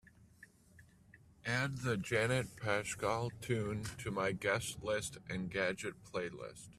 Add the Janet Paschal tune to my guest list engadget playlist.